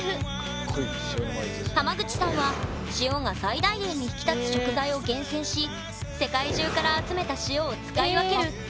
濱口さんは塩が最大限に引き立つ食材を厳選し世界中から集めた塩を使い分けるまさしく「塩の魔術師」！